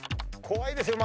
怖いですよ